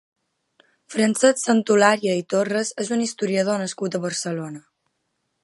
Francesc Santolària i Torres és un historiador nascut a Barcelona.